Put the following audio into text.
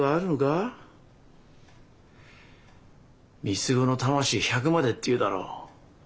「三つ子の魂百まで」っていうだろう。